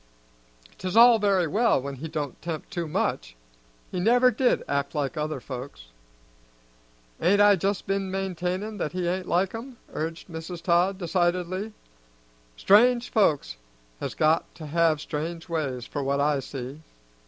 'Tis all very well when he don't 'tempt too much. He never did act like other folks." "Ain't I just been maintainin' that he ain't like 'em?" urged Mrs. Todd decidedly. "Strange folks has got to have strange ways, for what I see."